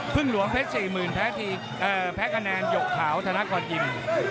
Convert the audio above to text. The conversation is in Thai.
พึ่งหลวงแพทย์๔๐๐๐๐แพทย์ที่แพทย์คะแนนหยกขาวธนากรยิ่ม